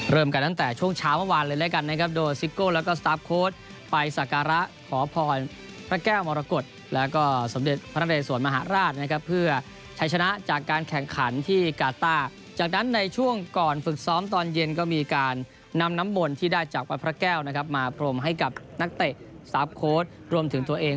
เริ่มกันตั้งแต่ช่วงเช้าเมื่อวานเลยแล้วกันนะครับโดยซิโก้แล้วก็สตาร์ฟโค้ดไปสักการะขอพรพระแก้วมรกฏแล้วก็สมเด็จพระนเรสวนมหาราชนะครับเพื่อใช้ชนะจากการแข่งขันที่กาต้าจากนั้นในช่วงก่อนฝึกซ้อมตอนเย็นก็มีการนำน้ำมนต์ที่ได้จากวัดพระแก้วนะครับมาพรมให้กับนักเตะสตาร์ฟโค้ดรวมถึงตัวเอง